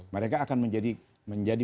mereka akan menjadi